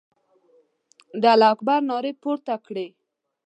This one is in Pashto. د الله اکبر نارې پورته کړې.